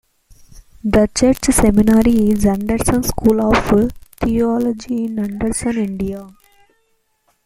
The church's seminary is Anderson School of Theology in Anderson, Indiana.